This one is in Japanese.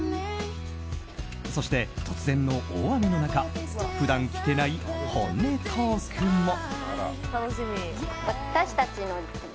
そして、突然の大雨の中普段聞けない本音トークも。